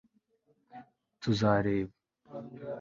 tuzareba